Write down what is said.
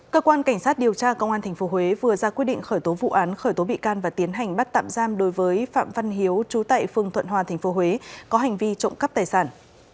cơ quan cảnh sát điều tra công an thành phố huế vừa ra quyết định khởi tố vụ án khởi tố bị can và tiến hành bắt tạm giam đối với phạm văn hiếu trú tại phương thuận hòa thành phố huế có hành vi trộm cắp tài sản